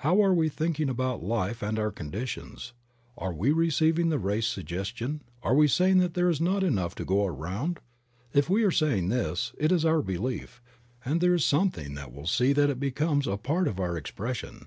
How are we thinking about life and our conditions ? Are we receiving the race suggestion ; are we saying that there is not enough to go around? If we are saying this, it is our belief, and there is something that will see that it becomes a part of our expression.